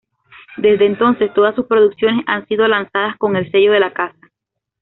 Desde entonces, todas sus producciones han sido lanzadas con el sello de la casa.